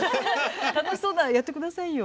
楽しそうならやってくださいよ。